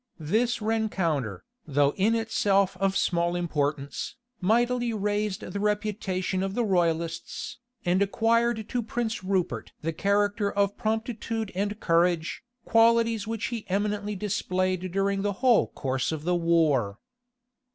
[*] This rencounter, though in itself of small importance, mightily raised the reputation of the royalists, and acquired to Prince Rupert the character of promptitude and courage; qualities which he eminently displayed during the whole course of the war.